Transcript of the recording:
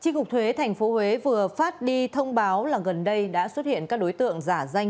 chính cục thuế thành phố huế vừa phát đi thông báo là gần đây đã xuất hiện các đối tượng giả danh